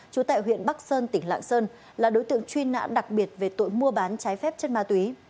trú tại huyện bắc sơn tỉnh lạng sơn là đối tượng truy nã đặc biệt về tội mua bán trái phép chất ma túy